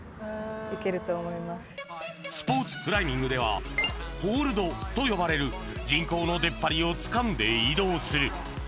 スポーツクライミングではホールドと呼ばれる人工の出っ張りをつかんで移動する